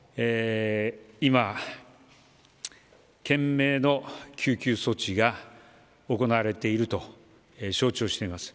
今、懸命の救急措置が行われていると承知をしています。